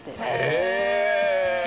へえ。